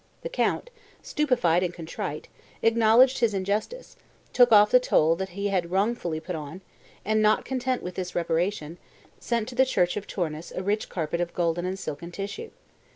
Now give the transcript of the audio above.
The count, stupefied and contrite, acknowledged his injustice, took off the toll that he had wrongfully put on, and, not content with this reparation, sent to the church of Tournus a rich carpet of golden and silken tissue.